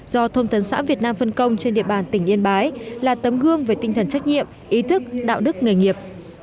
do thông tấn xã việt nam phân công trên địa bàn tỉnh yên bái là tấm gương về tinh thần trách nhiệm ý thức đạo đức nghề nghiệp